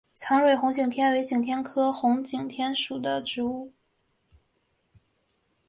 长蕊红景天为景天科红景天属的植物。